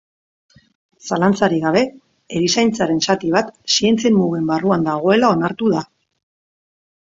Zalantzarik gabe, erizaintzaren zati bat zientzien mugen barruan dagoela onartu da.